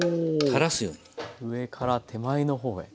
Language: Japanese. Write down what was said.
上から手前の方へ。